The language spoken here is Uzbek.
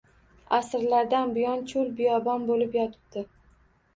Asrlardan buyon cho‘l-biyobon bo‘lib yotibdi.